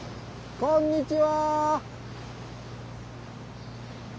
こんにちは！